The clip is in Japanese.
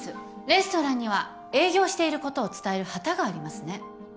レストランには営業していることを伝える旗がありますね。